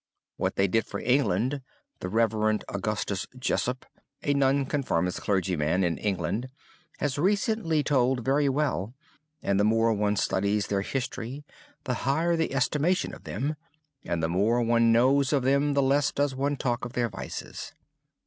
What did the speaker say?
What they did for England, the Rev. Augustus Jessopp, a non conformist clergyman in England, has recently told very well, and the more one studies their history, the higher the estimation of them; and the more one knows of them, the less does one talk of their vices.